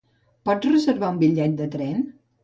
Pots reservar un bitllet de tren?